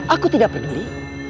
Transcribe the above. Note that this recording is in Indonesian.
aku tidak peduli